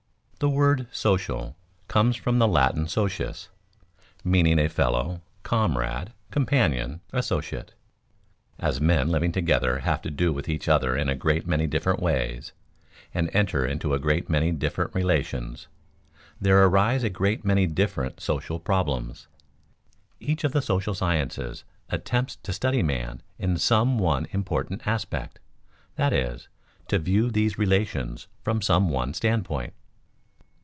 _ The word "social" comes from the Latin socius, meaning a fellow, comrade, companion, associate. As men living together have to do with each other in a great many different ways, and enter into a great many different relations, there arise a great many different social problems. Each of the social sciences attempts to study man in some one important aspect that is, to view these relations from some one standpoint.